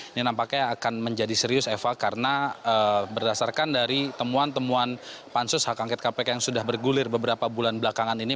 ini nampaknya akan menjadi serius eva karena berdasarkan dari temuan temuan pansus hak angket kpk yang sudah bergulir beberapa bulan belakangan ini